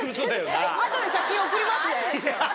後で写真送りますね。